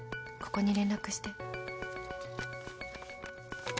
ここに連絡して